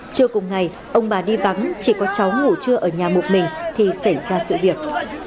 trưa cùng ngày ông bà đi vắng chỉ có cháu ngủ trưa ở nhà một mình thì xảy ra sự việc